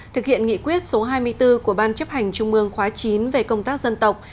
thực hiện nghị quyết số hai mươi bốn của ban chấp hành trung mương khóa chín về công tác dân tộc